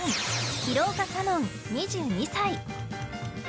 廣岡香音、２２歳。